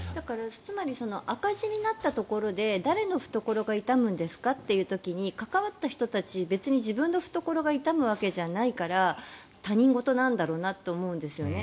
つまり赤字になったところで誰の懐が痛むんですか？という時に関わった人たち、別に自分の懐が痛むわけじゃないから他人事なんだろうなと思うんですよね。